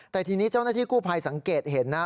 แต่ทีนี้เจ้าหน้าที่กู้ภัยสังเกตเห็นนะ